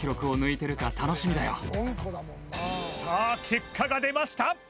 結果が出ました